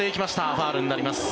ファウルになります。